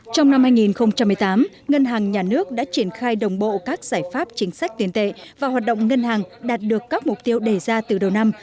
trong năm hai nghìn một mươi tám ngân hàng nhà nước đã triển khai đồng bộ các giải pháp chính sách tiền tệ và hoạt động ngân hàng đạt được các mục tiêu đề ra từ đầu năm